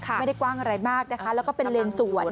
ไม่ได้กว้างอะไรมากนะคะแล้วก็เป็นเลนสวน